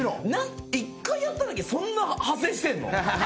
１回やっただけでそんな派生してんの？